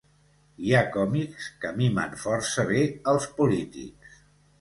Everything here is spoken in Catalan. Hi ha còmics que mimen força bé els polítics.